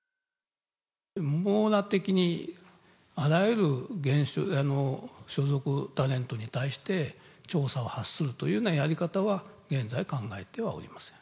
網羅的にあらゆる所属タレントに対して調査を発するというようなやり方は、現在、考えてはおりません。